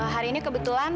hari ini kebetulan